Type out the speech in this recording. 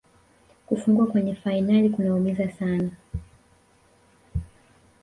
Kufungwa kwenye fainali kunaumiza sana